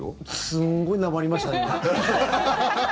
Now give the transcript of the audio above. すごいなまりましたね。